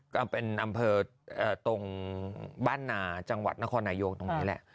อำเภอตรงบ้านนาจังหวัดนครนายกตรงนี้แหละ